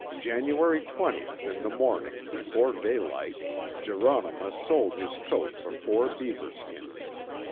January 20th in the morning, before daylight, Jeronimus sold his coat for four beaver skins.